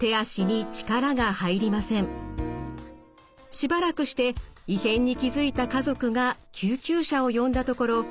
しばらくして異変に気付いた家族が救急車を呼んだところ